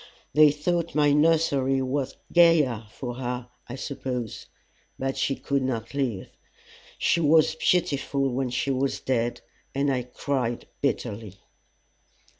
They thought my nursery was gayer for her, I suppose; but she could not live. She was beautiful when she was dead, and I cried bitterly.